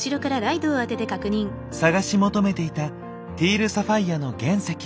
探し求めていたティールサファイアの原石。